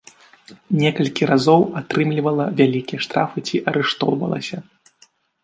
Некалькі разоў атрымлівала вялікія штрафы ці арыштоўвалася.